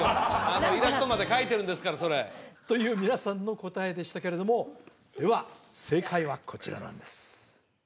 あんなイラストまで描いてるんですからそれという皆さんの答えでしたけれどもでは正解はこちらなんです